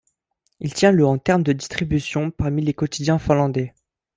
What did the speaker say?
Il tient le en termes de distribution parmi les quotidiens finlandais.